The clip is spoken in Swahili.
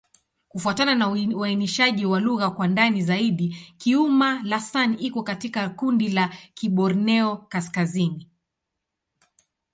Kufuatana na uainishaji wa lugha kwa ndani zaidi, Kiuma'-Lasan iko katika kundi la Kiborneo-Kaskazini.